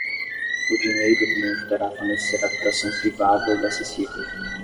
O dinheiro também ajudará a fornecer habitação privada e acessível.